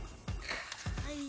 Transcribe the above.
はい。